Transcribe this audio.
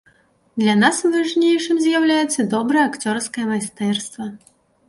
Для нас важнейшым з'яўляецца добрае акцёрскае майстэрства.